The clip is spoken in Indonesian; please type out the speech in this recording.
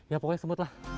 ya pokoknya semut lah